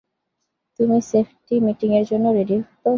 তুমি সেফটি মিটিংয়ের জন্য রেডি তো?